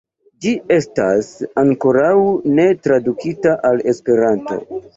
Ĝi estas ankoraŭ ne tradukita al Esperanto.